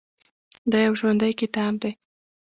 دا یو ژوندی کتاب دی.